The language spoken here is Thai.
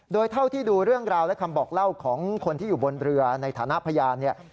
โดยเท่าที่ดูเรื่องราวและคำบอกเล่าของคนที่อยู่บนเรือในฐานะพยานเนี่ย